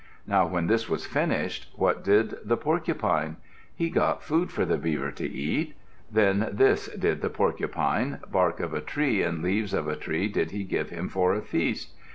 Now when this was finished, what did the Porcupine? He got food for the Beaver to eat. Then this did the Porcupine: bark of a tree and leaves of a tree did he give him for a feast.